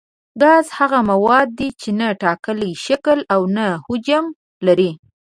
ګاز هغه مواد دي چې نه ټاکلی شکل او نه حجم لري.